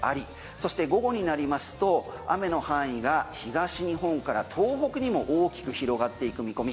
そして午後になりますと雨の範囲が東日本から東北にも大きく広がっていく見込み。